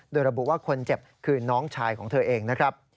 โดยระบุว่าคนเจ็บคือน้องชายของเธอเองนะครับ